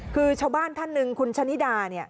คือชาวบ้านท่านหนึ่งคุณชะนิดาเนี่ย